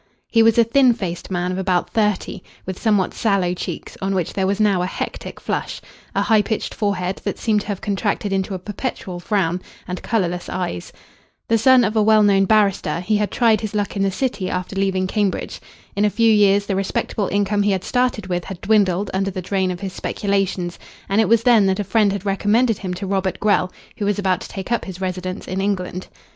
He was a thin faced man of about thirty, with somewhat sallow cheeks on which there was now a hectic flush, a high pitched forehead that seemed to have contracted into a perpetual frown, and colourless eyes. The son of a well known barrister, he had tried his luck in the City after leaving Cambridge. In a few years the respectable income he had started with had dwindled under the drain of his speculations, and it was then that a friend had recommended him to Robert Grell, who was about to take up his residence in England.